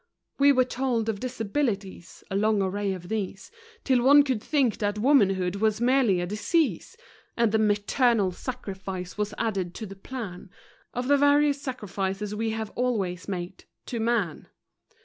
We were told of disabilities a long array of these, Till one could think that womanhood was merely a disease; And "the maternal sacrifice" was added to the plan Of the various sacrifices we have always made to man.